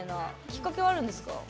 きっかけはあるんですか？